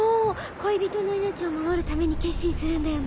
恋人の命を守るために決心するんだよね。